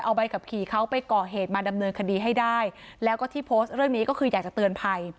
เอาใบขับขี่เขาไปก่อเหตุมาดำเนินคดีให้ได้แล้วก็ที่โพสต์เรื่องนี้ก็คืออยากจะเตือนภัย